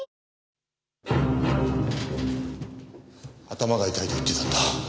頭が痛いと言ってたんだ。